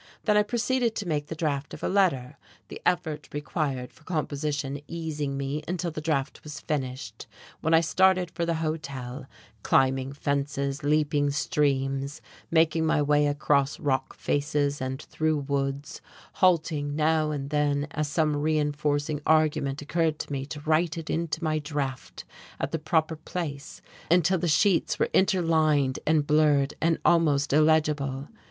Then I proceeded to make the draft of a letter, the effort required for composition easing me until the draft was finished; when I started for the hotel, climbing fences, leaping streams, making my way across rock faces and through woods; halting now and then as some reenforcing argument occurred to me to write it into my draft at the proper place until the sheets were interlined and blurred and almost illegible.